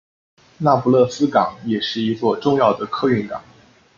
那不勒斯港也是一座重要的客运港。